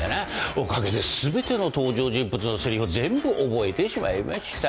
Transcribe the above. おかげで全ての登場人物のせりふを全部覚えてしまいました。